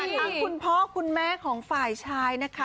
ทางคุณพ่อคุณแม่ของฝ่ายชายนะคะ